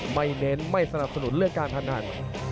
เน้นไม่สนับสนุนเรื่องการพนัน